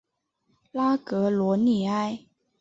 拉格罗利埃。